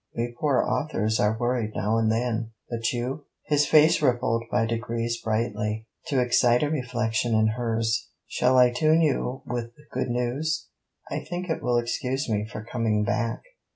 We poor authors are worried now and then. But you?' His face rippled by degrees brightly, to excite a reflection in hers. 'Shall I tune you with good news? I think it will excuse me for coming back.'